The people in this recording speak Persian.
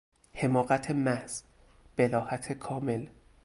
حماقت محض، بلاهت کامل